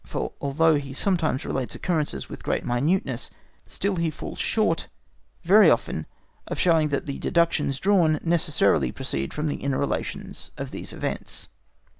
For although he sometimes relates occurrences with great minuteness, still he falls short very often of showing that the deductions drawn necessarily proceed from the inner relations of these events.